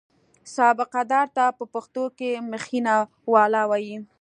سابقه دار ته په پښتو کې مخینه والا وایي.